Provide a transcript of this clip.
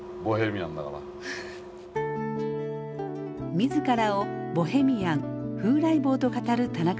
自らをボヘミアン風来坊と語る田中さん。